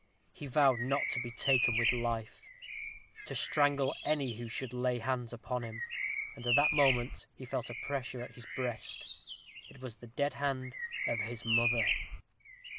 He vowed not to be taken with life to strangle any who should lay hands upon him. At that moment he felt a pressure at his breast. It was the dead hand of his mother!